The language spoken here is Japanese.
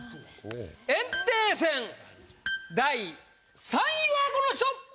炎帝戦第３位はこの人！